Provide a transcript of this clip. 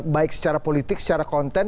baik secara politik secara konten